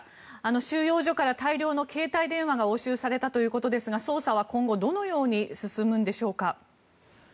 収容所から大量の携帯電話が押収されたということですが捜査は今後どのように進むのでしょうか。